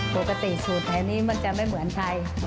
ปกติสูตรแถวนี้มันจะไม่เหมือนใคร